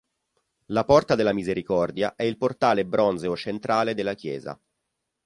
La "Porta della Misericordia" è il portale bronzeo centrale della chiesa.